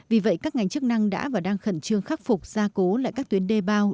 vì vậy các ngành chức năng đã và đang khẩn trương khắc phục gia cố lại các tuyến đê bao